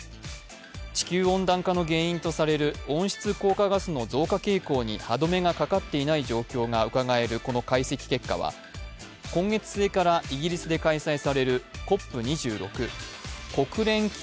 地球温暖化の原因とされる温室効果ガスの増加傾向に歯止めがかかっていない状況がうかがえる、この解析結果は続いては今日発売のものを紹介します。